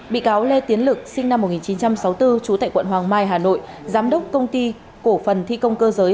bị cáo lê tiến lực sinh năm một nghìn chín trăm sáu mươi bốn trú tại quận hoàng mai hà nội giám đốc công ty cổ phần thi công cơ giới